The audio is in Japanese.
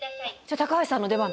高橋さんの出番だ。